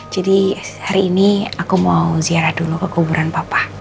jadi hari ini aku mau ziarah dulu ke kuburan papa